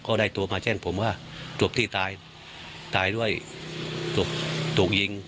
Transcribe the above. ก็ได้ตัวมาเจ้นผมว่าตรวจตี้ตายตายด้วยตรงจิตตรวจยิง